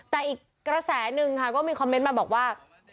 แต่อีกกระแสหนึ่งค่ะก็มีคอมเมนต์มาบอกว่า